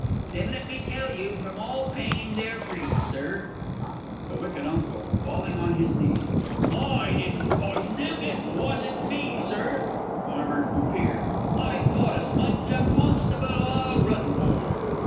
Then let me tell you, from all pain they're free, Sir. The W. U. (falling on his knees). I didn't poison them it wasn't me, Sir! Farmer C. I thought as much a constable I'll run for.